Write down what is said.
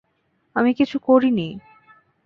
আমি কিছু করিনি।